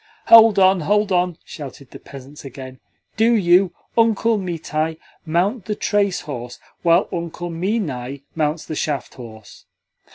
"Hold on, hold on!" shouted the peasants again. "Do you, Uncle Mitai, mount the trace horse, while Uncle Minai mounts the shaft horse."